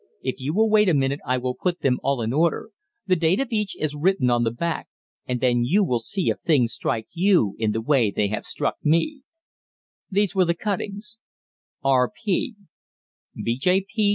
If you will wait a minute I will put them all in order the date of each is written on the back and then you will see if things strike you in the way they have struck me." These were the cuttings: "R.